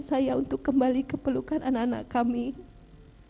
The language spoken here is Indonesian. saya untuk kembali keperlukan anak anak kami hai mungkin saya pernah gagal dalam hidup tapi saya